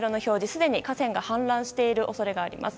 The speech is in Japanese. すでに河川が氾濫している恐れがあります。